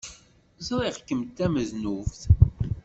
Ẓriɣ kemm d tamednubt.